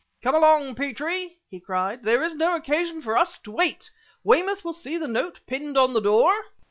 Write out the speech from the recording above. "Come along, Petrie!" he cried; "there is no occasion for us to wait. Weymouth will see the note pinned on the door."